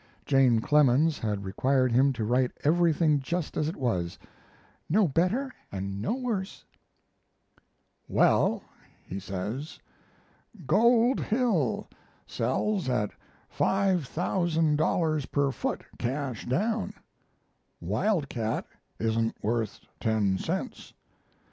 Jane Clemens had required him to write everything just as it was "no better and no worse." Well [he says] , "Gold Hill" sells at $5,000 per foot, cash down; "Wild Cat" isn't worth ten cents.